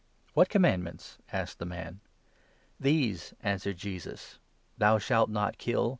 "What commandments ?" asked the man. 18 " These," answered Jesus :—"' Thou shalt not kill.